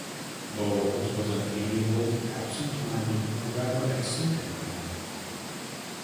Bowles was an amiable, absent-minded, and rather eccentric man.